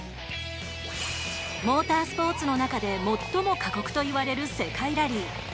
モータースポーツの中で最も過酷といわれる世界ラリー。